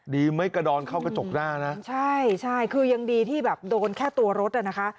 ดีไม่กระดอนเข้ากระจกหน้านะใช่ใช่คือยังดีที่แบบโดนแค่ตัวรถอ่ะนะคะ